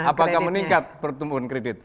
apakah meningkat pertumbuhan kredit